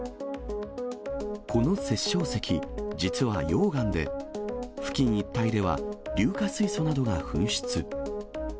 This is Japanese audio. この殺生石、実は溶岩で、付近一帯では硫化水素などが噴出。